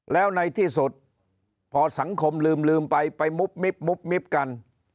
แล้วในที่สุดพอสังคมลืมไปไปมุบมิบมุบมิบกัน